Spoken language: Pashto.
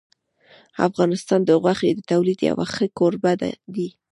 افغانستان د غوښې د تولید یو ښه کوربه دی.